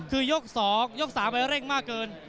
คือยก๒ยก๓ไปเร่งมากเกิน